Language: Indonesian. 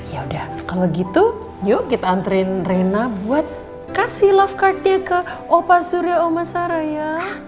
ya udah kalau gitu yuk kita anterin reina buat kasih love cardnya ke opa surya oma sarang ya